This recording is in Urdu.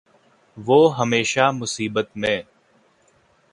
وہ ہمیشہ مصیبت میں